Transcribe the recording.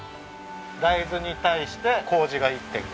大豆に対して糀が１．５倍。